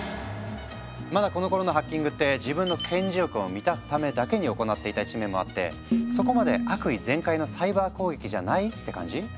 まだこのころのハッキングって自分の顕示欲を満たすためだけに行っていた一面もあってそこまで悪意全開のサイバー攻撃じゃないって感じ？